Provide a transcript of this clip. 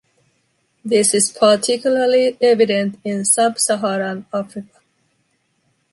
This is particularly evident in sub-Saharan Africa.